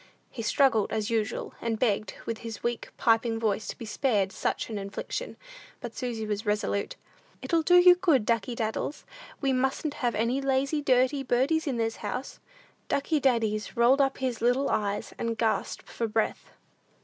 He struggled as usual, and begged, with his weak, piping voice, to be spared such an infliction. But Susy was resolute. "It'll do you good, Ducky Daddles; we mustn't have any lazy, dirty birdies in this house." Ducky Daddies rolled up his little eyes, and gasped for breath.